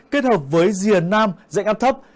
kết hợp với diện nam dạnh áp thấp